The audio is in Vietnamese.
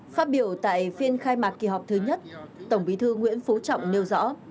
phát biểu tại phiên khai mạc kỳ họp thứ nhất tổng bí thư nguyễn phú trọng nêu rõ